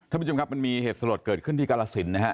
ท่านผู้ชมครับมันมีเหตุสลดเกิดขึ้นที่กรสินนะฮะ